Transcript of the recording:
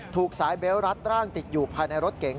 ถูกสายเบลต์รัดร่างติดอยู่ภายในรถเก๋ง